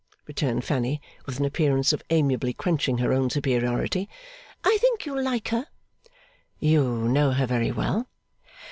returned Fanny, with an appearance of amiably quenching her own superiority. 'I think you'll like her.' 'You know her very well?